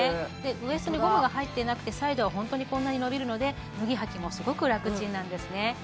ウエストにゴムが入っていなくてサイドはホントにこんなに伸びるので脱ぎはきもすごく楽チンなんですね